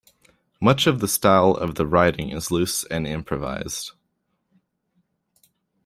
Much of the style of the writing is loose and improvised.